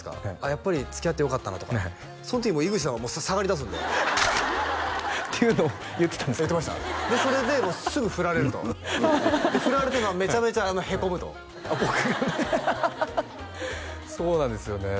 やっぱりつきあってよかったなとかそん時井口さんはもう下がりだすんでっていうのを言ってたんですか言ってましたでそれでもうすぐ振られるとで振られてまあめちゃめちゃへこむとあっ僕がねハハハそうなんですよね